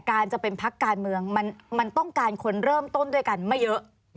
การจะเป็นพักการเมืองมันต้องการคนเริ่มต้นด้วยกันไม่เยอะ